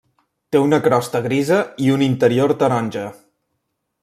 Té una crosta grisa i un interior taronja.